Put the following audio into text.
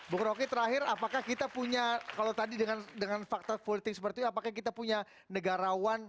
bung roky terakhir apakah kita punya kalau tadi dengan fakta politik seperti itu apakah kita punya negarawan